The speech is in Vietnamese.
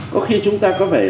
có khi chúng ta có vẻ